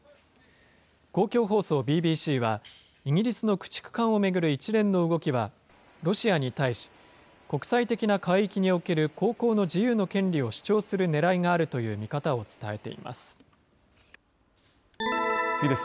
公共放送ＢＢＣは、イギリスの駆逐艦を巡る一連の動きは、ロシアに対し、国際的な海域における航行の自由の権利を主張するねらいがあると次です。